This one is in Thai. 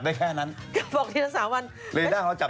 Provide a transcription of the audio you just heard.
มากนะครับ